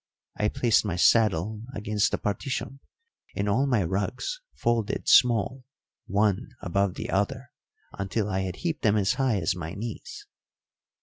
I placed my saddle against the partition, and all my rugs folded small, one above the other, until I had heaped them as high as my knees.